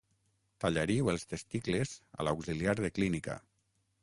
Tallaríeu els testicles a l'auxiliar de clínica.